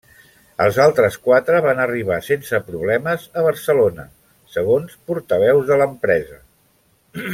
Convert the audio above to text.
Els altres quatre van arribar sense problemes a Barcelona, segons portaveus de l'empresa.